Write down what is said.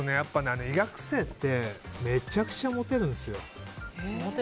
医学生ってめちゃくちゃモテるんですよ。